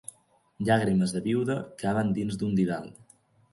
Llàgrimes de vídua caben dintre un didal.